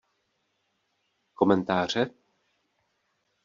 Komentáře?